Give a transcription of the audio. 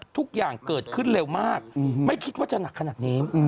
ทุกอย่างเกิดขึ้นเร็วมากไม่คิดว่าจะหนักขนาดนี้